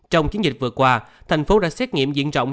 trong chiến dịch vừa qua thành phố đã xét nghiệm diện rộng